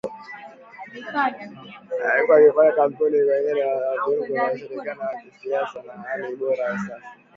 amekuwa akifanya kampeni kupanua wigo wa ushiriki wa kisiasa na hali bora ya usafi